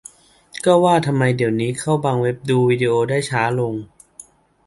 - ก็ว่าทำไมเดี๋ยวนี้เข้าบางเว็บ ดูวีดีโอได้ช้าลง